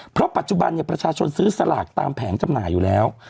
เพราะปัจจุบันประชาชนซื้อสลากตามแผงจำหน่ายอยู่แล้ว